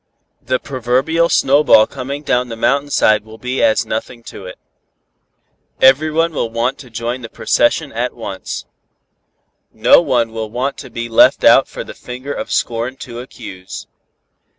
The proverbial snowball coming down the mountain side will be as nothing to it. Everyone will want to join the procession at once. No one will want to be left out for the finger of Scorn to accuse.